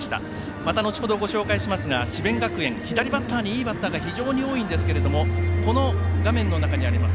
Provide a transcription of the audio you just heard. また後ほどご紹介しますが智弁学園、左にいいバッター非常に多いんですけどもこの画面の中にあります